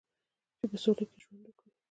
چې په سوله کې ژوند وکړي.